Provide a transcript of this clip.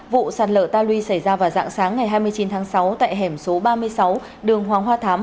vụ sạt lở ta luy xảy ra vào dạng sáng ngày hai mươi chín tháng sáu tại hẻm số ba mươi sáu đường hoàng hoa thám